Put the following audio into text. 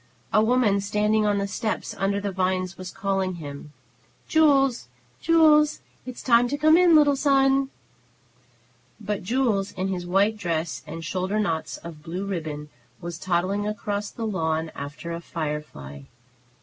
A woman, standing on the steps under the vines, was calling "Jules, Jules, it is time to come in, little son!" But Jules, in his white dress and shoulder knots of blue ribbon, was toddling across the lawn after a firefly.